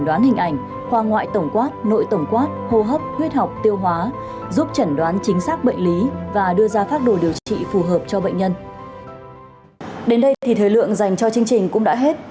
thì thời lượng dành cho chương trình cũng đã hết